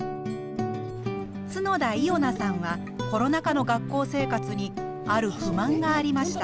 角田いおなさんはコロナ禍の学校生活にある不満がありました。